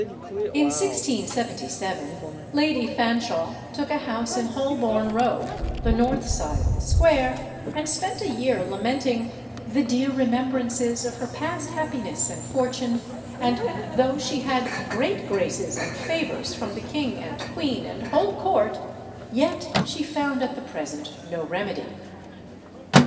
In 1677 Lady Fanshawe took a house in Holborn Row, the north side of the square, and spent a year lamenting "the dear remembrances of her past happiness and fortune; and though she had great graces and favours from the king and queen and whole court, yet she found at the present no remedy."